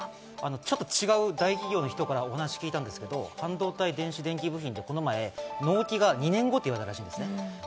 ちょっと違う大企業の人からお話を聞いたんですけど、半導体電子部品、この前、納期が２年後と言われたそうです。